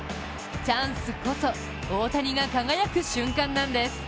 チャンスこそ、大谷が輝く瞬間なんです。